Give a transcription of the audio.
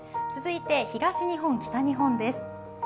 続いて東日本、北日本です。